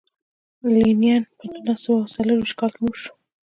لینین په نولس سوه څلور ویشت کال کې مړ شو.